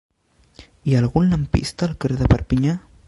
Hi ha algun lampista al carrer de Perpinyà?